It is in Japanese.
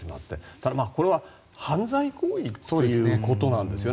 ただこれは、犯罪行為っていうことなんですよね。